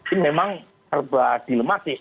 ini memang terbaik dilematis